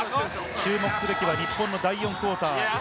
注目すべきは日本の第４クオーター。